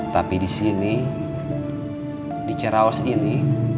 tapi di sini di cerawas ini